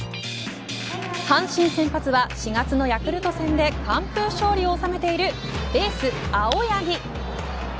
阪神先発は４月のヤクルト戦で完封勝利を収めているエース青柳。